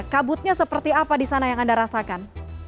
kabutnya seperti apa di sana yang anda rasakan